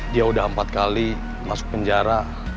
dia udah empat kali masuk penjara